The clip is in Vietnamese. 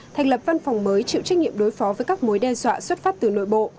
thành lập văn phòng mới chịu trách nhiệm đối phó với các mối đe dọa xuất phát từ nội bộ